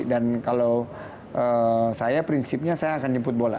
dan kalau saya prinsipnya saya akan jemput bola